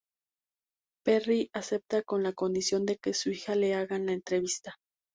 Perry acepta con la condición de que su hija le haga la entrevista.